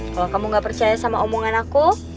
kalau kamu gak percaya sama omongan aku